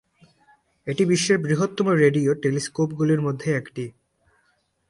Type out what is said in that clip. এটি বিশ্বের বৃহত্তম রেডিও টেলিস্কোপগুলির মধ্যে একটি।